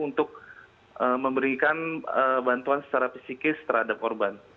untuk memberikan bantuan secara psikis terhadap korban